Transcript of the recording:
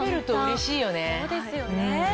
そうですよね。